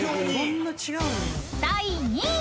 ［第２位］